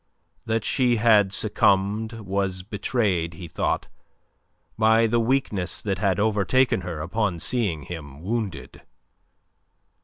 That she had succumbed was betrayed, he thought, by the weakness that had overtaken her upon seeing him wounded.